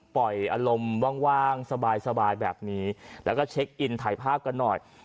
ปล่อยอารมณ์ว่างสบายแบบนี้แล้วก็เช็คอินถ่ายภาพกันหน่อย